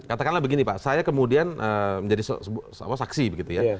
katakanlah begini pak saya kemudian menjadi saksi begitu ya